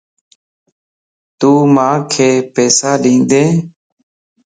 تو مانک پيسا ڏيندين